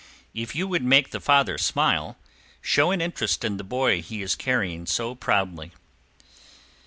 If you would make the father smile, show an interest in the boy he is carrying so proudly.